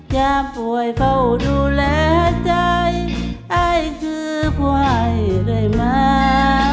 ยามป่วยเขาดูแลใจอายคือผู้อายด้วยมาก